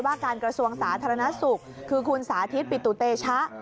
การกระทรวงสาธารณสุขคือคุณสาธิตปิตุเตชะ